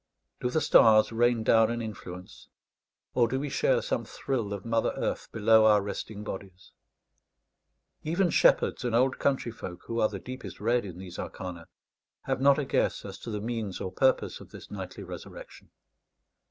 Do the stars rain down an influence, or do we share some thrill of mother earth below our resting bodies? Even shepherds and old country folk, who are the deepest read in these arcana, have not a guess as to the means or purpose of this nightly resurrection.